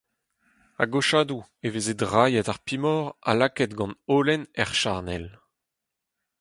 A-gochadoù e veze drailhet ar pemoc'h ha lakaet gant holen er charnel.